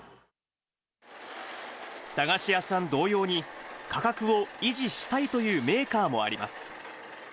駄菓子屋さん同様に、価格を維持したいというメーカーもあります。